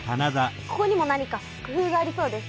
ここにも何か工ふうがありそうです。